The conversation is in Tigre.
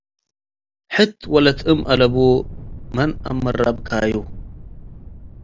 ሕት ወለት እም አለቡ፡ መን አምሩ ብካዩ”